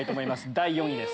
第４位です。